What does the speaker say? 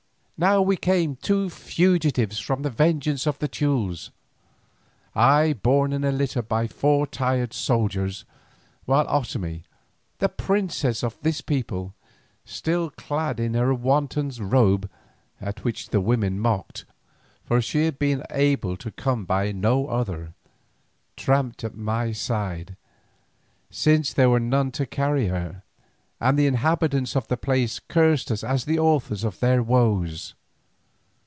Now we came two fugitives from the vengeance of the Teules, I borne in a litter by four tired soldiers, while Otomie, the princess of this people, still clad in her wanton's robe, at which the women mocked, for she had been able to come by no other, tramped at my side, since there were none to carry her, and the inhabitants of the place cursed us as the authors of their woes.